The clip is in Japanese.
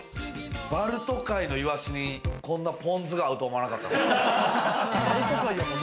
バルト海のいわしに、こんなぽん酢が合うと思わなかったすね。